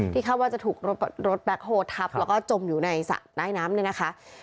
ที่เข้าว่าจะถูกรถแบ็คโหลดทับแล้วก็จมอยู่ในสระด้ายน้ำเลยนะคะ